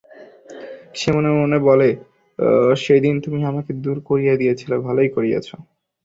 সে মনে মনে বলে, সেদিন তুমি আমাকে দূর করিয়া দিয়াছিলে ভালোই করিয়াছ।